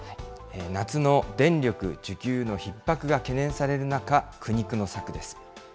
夏の電力需給のひっ迫が懸念される中、苦肉の策です。